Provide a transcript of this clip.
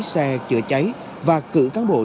xe chữa cháy và cử cán bộ